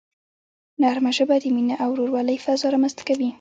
نرمه ژبه د مینې او ورورولۍ فضا رامنځته کوي.